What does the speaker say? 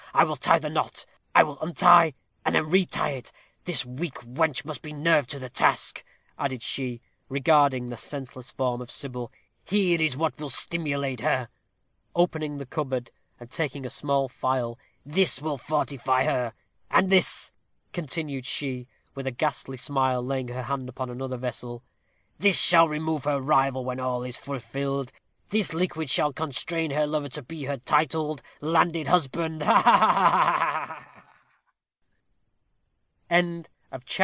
I will tie the knot. I will untie, and then retie it. This weak wench must be nerved to the task," added she, regarding the senseless form of Sybil. "Here is that will stimulate her," opening the cupboard, and taking a small phial; "this will fortify her; and this," continued she, with a ghastly smile, laying her hand upon another vessel, "this shall remove her rival when all is fulfilled; this liquid shall constrain her lover to be her titled, landed husband. Ha, ha!"